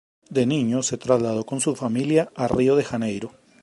De niño se trasladó con su familia a Río de Janeiro.